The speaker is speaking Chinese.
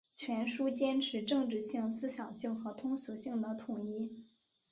全书坚持政治性、思想性和通俗性的统一